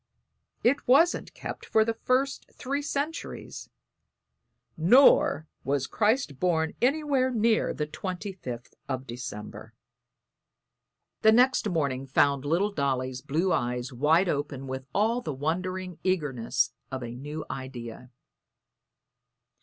It wasn't kept for the first three centuries, nor was Christ born anywhere near the 25th of December." The next morning found little Dolly's blue eyes wide open with all the wondering eagerness of a new idea.